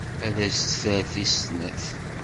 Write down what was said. Ad as-d-terr tis snat.